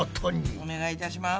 お願いいたします。